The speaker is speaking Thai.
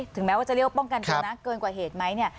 แม้ว่าจะเรียกว่าป้องกันตัวนะเกินกว่าเหตุไหมเนี่ย